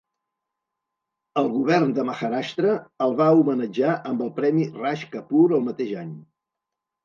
El govern de Maharashtra el va homenatjar amb el Premi Raj Kapoor el mateix any.